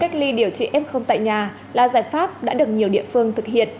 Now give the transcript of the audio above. cách ly điều trị f tại nhà là giải pháp đã được nhiều địa phương thực hiện